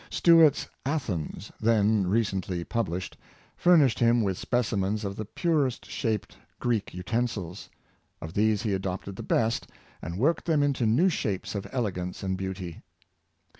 " Stuart's Athens," then recently published, furnished him with specimens of the purest shaped Greek utensils; of these he adopted the best, and worked them into new shapes of elegance and beauty.